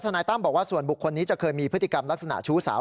นายตั้มบอกว่าส่วนบุคคลนี้จะเคยมีพฤติกรรมลักษณะชู้สาว